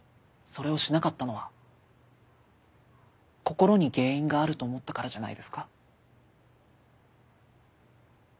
それをしなかったのは心に原因があると思ったからじゃないですか。